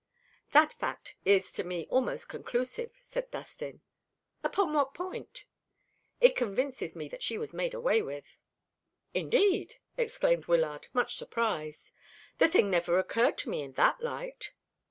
"That fact is to me almost conclusive," said Distin. "Upon what point?" "It convinces me that she was made away with." "Indeed!" exclaimed Wyllard, much surprised. "The thing never occurred to me in that light."